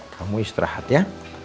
kamu istirahat ya